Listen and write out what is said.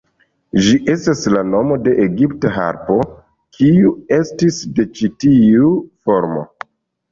Ĝi estas la nomo de egipta harpo, kiu estis de ĉi tiu formo".